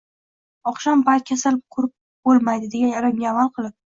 Oqshom payt kasal ko’rib bo’lmaydi”, degan irimga amal qilib